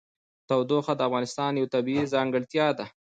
تودوخه د افغانستان یوه طبیعي ځانګړتیا ده.